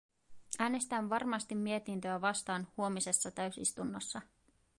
Äänestän varmasti mietintöä vastaan huomisessa täysistunnossa.